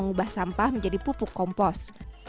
mengubah sampah menjadi pupuk kompos